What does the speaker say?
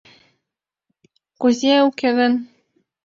Кузе уке гын!